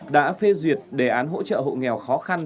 đã phê duyệt đề án hỗ trợ hộ nghèo khó khăn